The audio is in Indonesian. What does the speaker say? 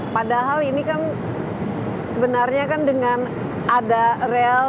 padahal ini kan sebenarnya kan dengan ada rel